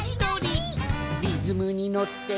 「リズムにのって」「」